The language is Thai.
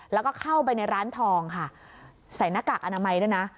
แล้วก็เข้าไปในร้านทองค่ะใส่หน้ากากอนามัยด้วยนะ